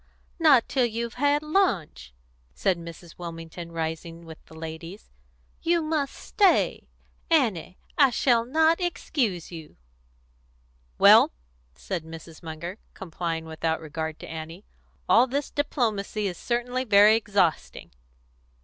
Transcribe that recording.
"Not till you've had lunch," said Mrs. Wilmington, rising with the ladies. "You must stay. Annie, I shall not excuse you." "Well," said Mrs. Munger, complying without regard to Annie, "all this diplomacy is certainly very exhausting."